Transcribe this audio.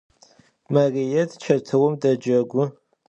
Marıêt çetıum decegu.